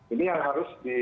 ini yang harus